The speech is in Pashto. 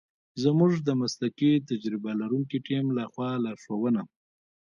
زمونږ د مسلکي تجربه لرونکی تیم لخوا لارښونه